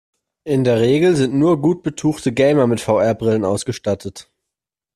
In der Regel sind nur gut betuchte Gamer mit VR-Brillen ausgestattet.